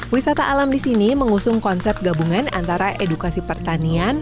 wisata alam di sini mengusung konsep gabungan antara edukasi pertanian